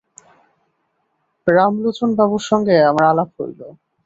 রামলোচনবাবুর সঙ্গে আমার আলাপ হইল।